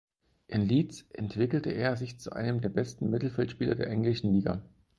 In Leeds entwickelte er sich zu einem der besten Mittelfeldspieler der englischen Liga.